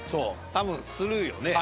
多分するよね。